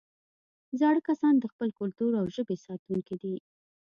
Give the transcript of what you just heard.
زاړه کسان د خپل کلتور او ژبې ساتونکي دي